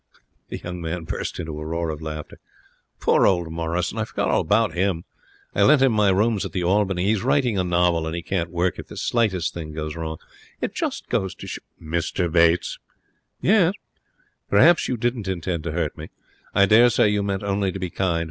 The young man burst into a roar of laughter. 'Poor old Morrison! I forgot all about him. I lent him my rooms at the Albany. He's writing a novel, and he can't work if the slightest thing goes wrong. It just shows ' 'Mr Bates!' 'Yes?' 'Perhaps you didn't intend to hurt me. I dare say you meant only to be kind.